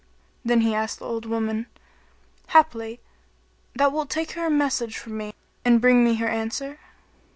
Then he asked the old woman, "Haply thou wilt take her a message from me and bring me her answer?"